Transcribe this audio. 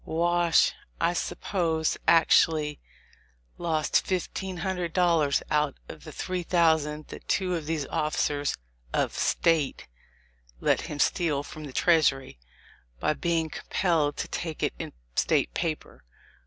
Wash, I s'pose, actually lost fifteen hun dred dollars out of the three thousand that two of these 'officers of State' let him steal from the treas ury, by being compelled to take it in State paper.